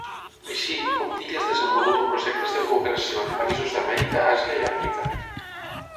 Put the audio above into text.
Així, Fontilles desenvolupa projectes de cooperació en països d'Amèrica, Àsia i Àfrica.